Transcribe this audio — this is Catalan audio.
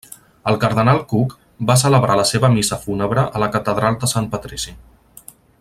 El cardenal Cook va celebrar la seva missa fúnebre a la catedral de Sant Patrici.